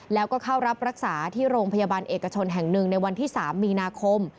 แล้วก็เข้ารับรักษาที่โรงพยาบาลเอกชนแห่งหนึ่งในวันที่๓มีนาคม